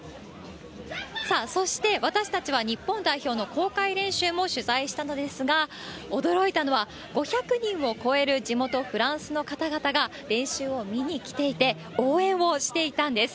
さあ、そして私たちは日本代表の公開練習も取材したのですが、驚いたのは、５００人を超える地元フランスの方々が、練習を見に来ていて、応援をしていたんです。